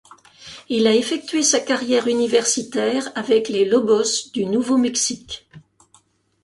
Il a effectué sa carrière universitaire avec les Lobos du Nouveau-Mexique.